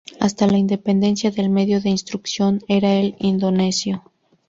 Hasta la independencia del medio de instrucción era el indonesio.